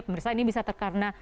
pemirsa ini bisa terkarena